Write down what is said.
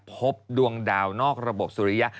พบดวงดาวนอกระบบสุริยะ